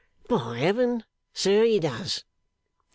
By Heaven, sir, he does!